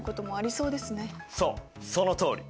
そうそのとおり！